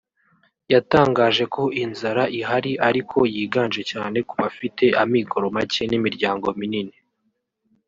yatangaje ko inzara ihari ariko yiganje cyane ku bafite amikoro make n’imiryango minini